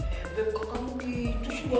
hebeb gak kamu gitu sih